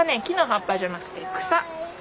木の葉っぱじゃなくて草。